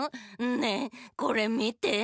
ねえこれみて。